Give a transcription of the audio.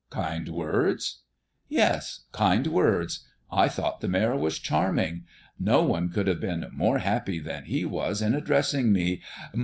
"Kind words?" "Yes, kind words. I thought the mayor was charming. No one could have been more happy than he was in addressing me.